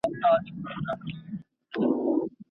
ایا تکړه پلورونکي بادام پلوري؟